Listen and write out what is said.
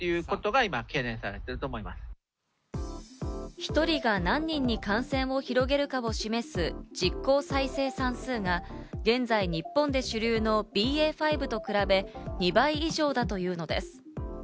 １人が何人に感染を広げるかを示す、実効再生産数が現在、日本で主流のＢＡ．５と比べ、２倍以上だというのです。